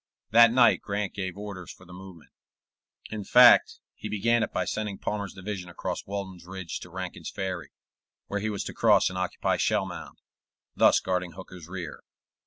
That night Grant gave orders for the movement; in fact, he began it by sending Palmer's division across Walden's Ridge to Rankin's Ferry, where he was to cross and occupy Shellmound, thus guarding Hooker's rear.